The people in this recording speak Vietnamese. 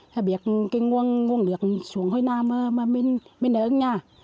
hãy biết cái nguồn nước xuống hồi nào mà mình ở ở nhà